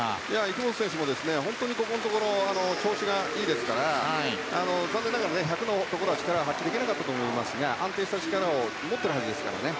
池本選手も本当にここのところ調子がいいですから残念ながら１００ｍでは力を発揮できなかったですが安定した力を持っているはずですからね。